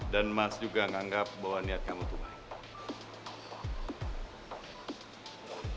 dan mas juga menganggap bahwa niat kamu tuh baik